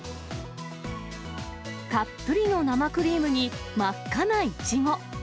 たっぷりの生クリームに真っ赤なイチゴ。